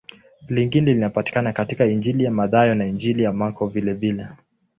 Lingine linapatikana katika Injili ya Mathayo na Injili ya Marko vilevile.